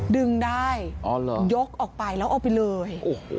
ดึงได้ยกออกไปแล้วเอาไปเลย